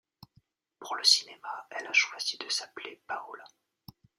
Pour le cinéma, elle a choisi de s'appeler Paola.